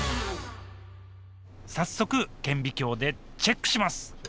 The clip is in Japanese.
早速顕微鏡でチェックします